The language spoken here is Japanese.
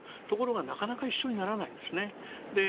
ところがなかなか一緒にならないんですね。